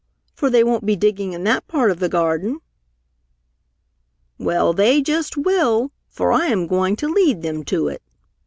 For they won't be digging in that part of the garden." "Well, they just will, for I am going to lead them to it!"